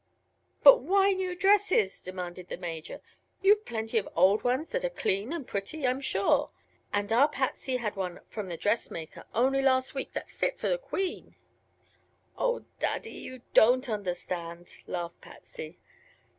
"But why new dresses?" demanded the Major. "You've plenty of old ones that are clean and pretty, I'm sure; and our Patsy had one from the dressmaker only last week that's fit for a queen." "Oh, Daddy! you don't understand," laughed Patsy.